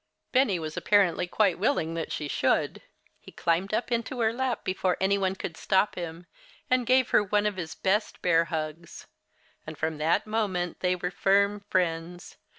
Benny was apparently quite willing that she should. He climbed into her lap before any one could stop him, and gave her one of his best bear hugs. And from that moment they were firm friends.